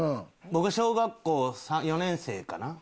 僕が小学校４年生かな？